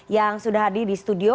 yang sudah hadir di studio